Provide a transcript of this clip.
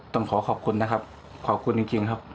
ต้องขอขอบคุณนะครับขอบคุณจริงครับ